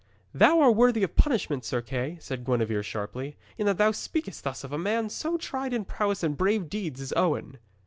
'Thou art worthy of punishment, Sir Kay,' said Gwenevere sharply, 'in that thou speakest thus of a man so tried in prowess and brave deeds as Owen.'